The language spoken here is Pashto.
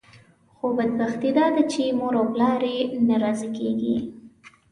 خو بدبختي داده چې مور او پلار یې نه راضي کېږي.